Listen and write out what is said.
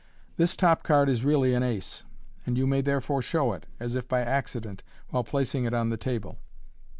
This top card is really an ace, and you may there fore show it, as if by accident, while placing it on the table.